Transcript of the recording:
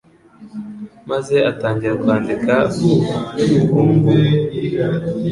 maze atangira kwandika mu mukungugu.